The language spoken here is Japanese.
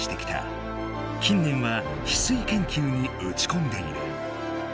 近年はヒスイ研究にうちこんでいる。